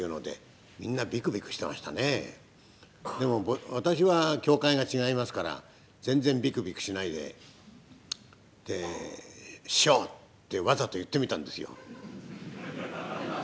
でも私は協会が違いますから全然ビクビクしないでで「師匠！」ってわざと言ってみたんですよ。